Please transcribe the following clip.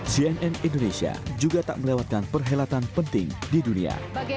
cnn indonesia juga tak melewatkan perhelatan penting di dunia